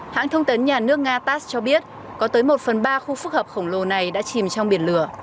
hãng thông tấn nhà nước nga tass cho biết có tới một phần ba khu phức hợp khổng lồ này đã chìm trong biển lửa